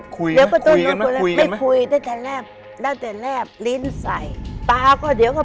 คุยคุยกันคุยกันไม่คุยตั้งแต่แรบตั้งแต่แรบลิ้นใส่ปาก็เดี๋ยวก็